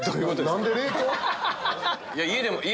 何で冷凍？